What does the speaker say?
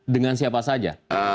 dengan siapa saja